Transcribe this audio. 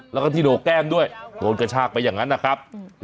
แล้วก็ที่โหนกแก้มด้วยโดนกระชากไปอย่างนั้นนะครับ